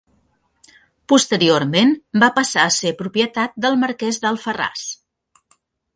Posteriorment, va passar a ser propietat del marquès d'Alfarràs.